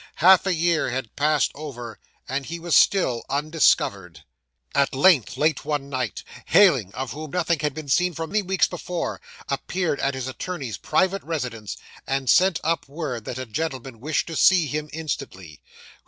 Half a year had passed over, and he was still undiscovered. 'At length late one night, Heyling, of whom nothing had been seen for many weeks before, appeared at his attorney's private residence, and sent up word that a gentleman wished to see him instantly.